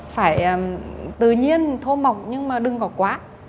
phải tự nhiên thô mọc nhưng mà đừng có quá